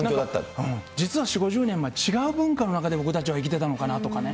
実は４、５０年前、違う文化の中で僕たちは生きてたのかなとかね。